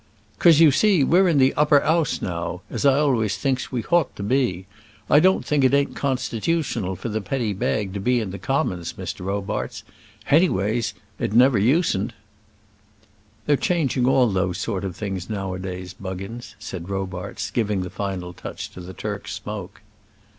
"'Cause, you see, sir, we're in the Upper 'Ouse, now; as I always thinks we hought to be. I don't think it ain't constitutional for the Petty Bag to be in the Commons, Mr. Robarts. Hany ways, it never usen't." "They're changing all those sort of things now a days, Buggins," said Robarts, giving the final touch to the Turk's smoke.